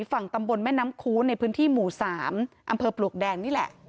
ฝั่งตำบลแม่น้ำคูณในพื้นที่หมู่๓อำเภอปลวกแดงนี่แหละ